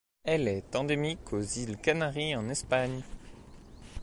Elle est endémique aux îles Canaries en Espagne.